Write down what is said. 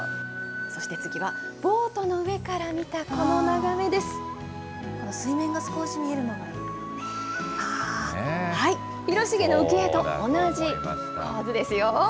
そして次はボートの上から見たこ水面が少し見えるのがいいで広重の浮世絵と同じ構図ですよ。